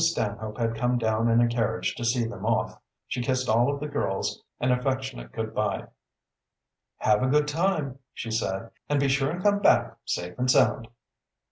Stanhope had come down in a carriage to see them off. She kissed all of the girls an affectionate good by. "Have a good time," she said. "And be sure and come back safe and sound."